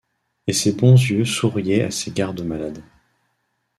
et ses bons yeux souriaient à ses gardes-malades.